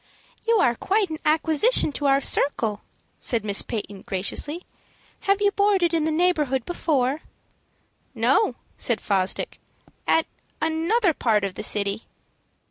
"You are quite an acquisition to our circle," said Miss Peyton, graciously. "Have you boarded in this neighborhood before?" "No," said Fosdick; "at another part of the city."